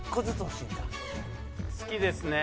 好きですね。